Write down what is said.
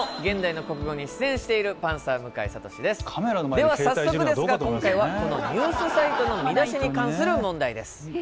では早速ですが今回はこのニュースサイトの見出しに関する問題です。